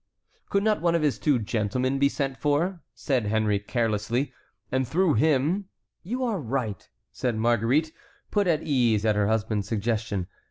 "Could not one of his two gentlemen be sent for?" said Henry, carelessly, "and through him"— "You are right," said Marguerite, put at her ease at her husband's suggestion.